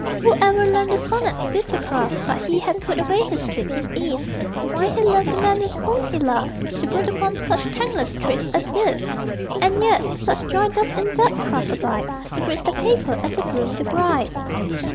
Who ever learned the sonnet's bitter craft But he had put away his sleep, his ease, The wine he loved, the men with whom he laughed To brood upon such thankless tricks as these? And yet, such joy does in that craft abide He greets the paper as the groom the bride!